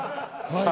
はい。